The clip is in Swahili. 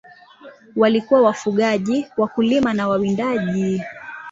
Walikuwa wafugaji, wakulima na wawindaji.